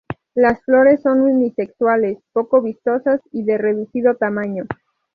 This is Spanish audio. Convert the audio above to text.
Las flores son unisexuales, poco vistosas y de reducido tamaño.